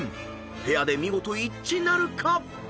［ペアで見事一致なるか？］